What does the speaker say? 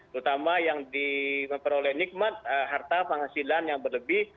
terutama yang diperoleh nikmat harta penghasilan yang berlebih